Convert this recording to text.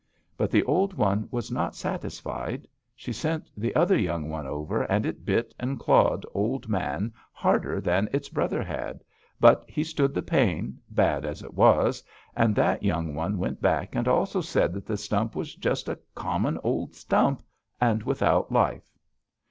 But the old one was not satisfied. She sent the other young one over, and it bit and clawed Old Man harder than its brother had, but he stood the pain, bad as it was, and that young one went back and also said that the stump was just a common old stump and without life.